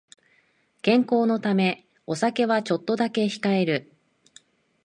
健康のためお酒はちょっとだけ控える